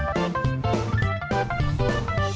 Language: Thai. สวัสดีครับสวัสดีครับ